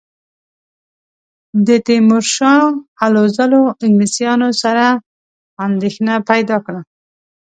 د تیمورشاه هلو ځلو انګلیسیانو سره اندېښنه پیدا کړه.